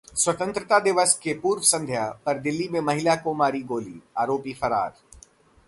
स्वतंत्रता दिवस की पूर्व संध्या पर दिल्ली में महिला को मारी गोली, आरोपी फरार